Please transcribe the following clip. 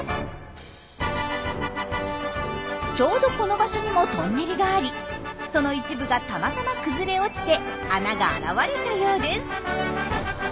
ちょうどこの場所にもトンネルがありその一部がたまたま崩れ落ちて穴が現れたようです。